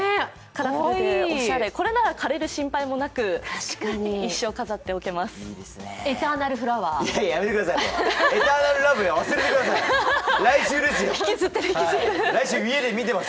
これなら枯れる心配もなく一生飾っておこえます。